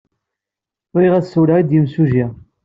Bɣiɣ ad ssiwleɣ ed yimsujji.